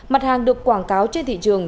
mặt hàng được quảng cáo trên thị trường